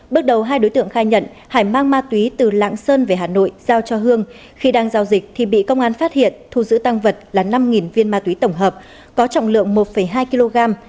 bước đầu hai đối tượng khai nhận hải mang ma túy từ lạng sơn về hà nội giao cho hương khi đang giao dịch thì bị công an phát hiện thu giữ tăng vật là năm viên ma túy tổng hợp có trọng lượng một hai kg